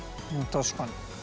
確かに。